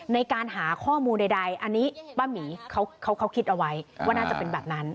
ในการหาข้อมูลใดอันนี้ป้าหมีเขาคิดเอาไว้ว่าน่าจะเป็นแบบนั้น